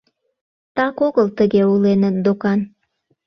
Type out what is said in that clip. Так огыл тыге ойленыт докан.